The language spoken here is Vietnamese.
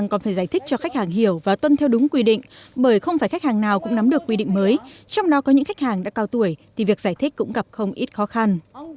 cần phải giải thích cho khách hàng hiểu và tuân theo đúng quy định bởi không phải khách hàng nào cũng nắm được quy định mới trong đó có những khách hàng đã cao tuổi thì việc giải thích cũng gặp không ít khó khăn